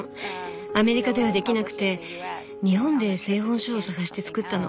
アメリカではできなくて日本で製本所を探して作ったの。